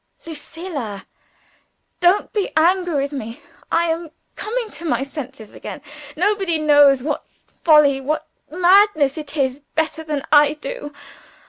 "Lucilla!" "Don't be angry with me. I am coming to my senses again. Nobody knows what folly, what madness it is, better than I do.